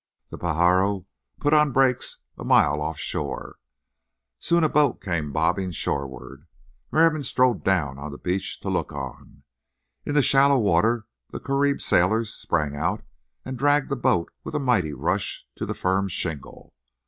The Pajaro put on brakes a mile off shore. Soon a boat came bobbing shoreward. Merriam strolled down on the beach to look on. In the shallow water the Carib sailors sprang out and dragged the boat with a mighty rush to the firm shingle.